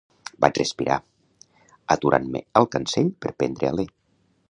Vaig respirar, aturant-me al cancell per prendre alè.